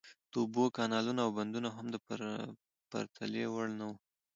د اوبو کانالونه او بندونه هم د پرتلې وړ نه وو.